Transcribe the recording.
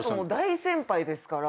大先輩ですから。